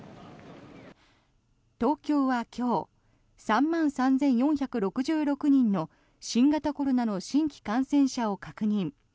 東京は今日、３万３４６６人の新型コロナの新規感染者を確認。